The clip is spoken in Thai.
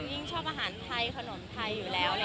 ยิ่งชอบอาหารไทยขนมไทยอยู่แล้ว